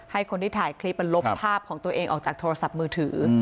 ให้คนที่ถ่ายคลิปมันลบภาพของตัวเองออกจากโทรศัพท์มือถือ